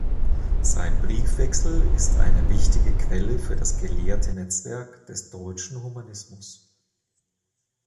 Sein Briefwechsel ist eine wichtige Quelle für das gelehrte Netzwerk des deutschen Humanismus.